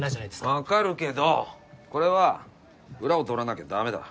わかるけどこれは裏を取らなきゃだめだ。